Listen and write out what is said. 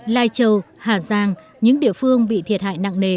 lai châu hà giang những địa phương bị thiệt hại nặng nề